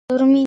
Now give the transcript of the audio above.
Durmi-.